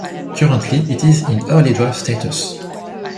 Currently it is in early draft status.